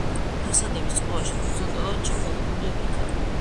ფასადების წყობაში ჰორიზონტალურად ჩაყოლებულია ფიქალი.